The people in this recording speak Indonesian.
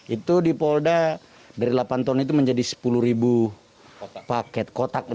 itu di polda dari delapan ton itu menjadi sepuluh ribu paket kotak